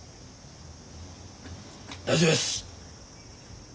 大丈夫です。